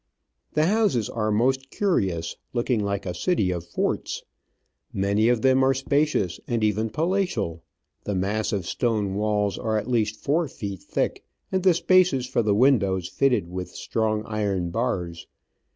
The houses are most curious, looking like a city of forts. Many of them are spacious, and even palatial ; the massive stone walls are at least four feet thick, and the spaces for the windows fitted with strong iron bars.